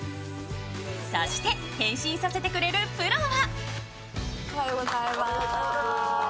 そして返信させてくれるプロは？